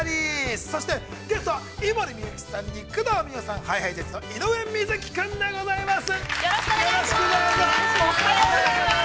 そしてゲストは、井森美幸さんに、工藤美桜さん、ＨｉＨｉＪｅｔｓの井上瑞稀君でございます。